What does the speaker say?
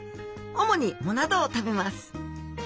主に藻などを食べます。